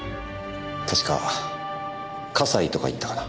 確か笠井とかいったかな。